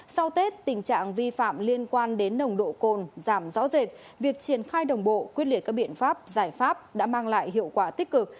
sau tết tình trạng vi phạm liên quan đến nồng độ cồn giảm rõ rệt việc triển khai đồng bộ quyết liệt các biện pháp giải pháp đã mang lại hiệu quả tích cực